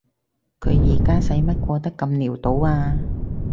佢而家使乜過得咁潦倒啊？